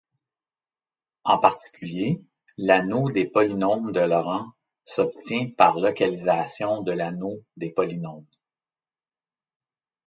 En particulier, l'anneau des polynômes de Laurent s'obtient par localisation de l'anneau des polynômes.